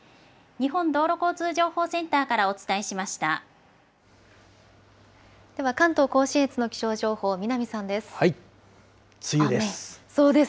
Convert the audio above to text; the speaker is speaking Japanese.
日本道路交通情報センターからおでは、関東甲信越の気象情報、梅雨です。